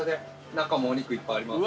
中もお肉いっぱいあります。